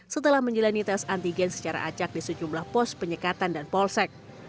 setelah menjalani tes antigen secara acak di sejumlah pos penyekatan dan polsek